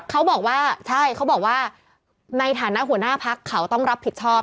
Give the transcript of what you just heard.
เขาบอกว่าใช่เขาบอกว่าในฐานะหัวหน้าพักเขาต้องรับผิดชอบ